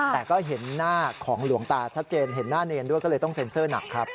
แต่ก็เห็นหน้าของหลวงตาชัดเจนเห็นหน้าเนรด้วยก็เลยต้องเซ็นเซอร์หนักครับ